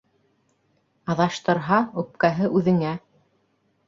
Аҙаштырһа, үпкәһе үҙеңә.